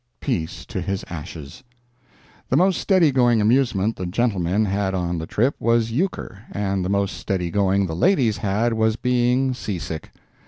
Peace to his ashes! The most steady going amusement the gentlemen had on the trip was euchre, and the most steady going the ladies had was being sea sick.